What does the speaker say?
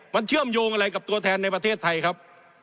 มันเชื่อมโยงอะไรกับตัวแทนในประเทศไทยครับ